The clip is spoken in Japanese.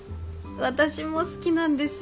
私も好きなんです